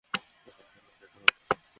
আরে বাচ্চাটা কান্না করছে।